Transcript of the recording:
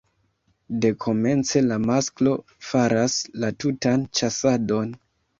Dekomence la masklo faras la tutan ĉasadon.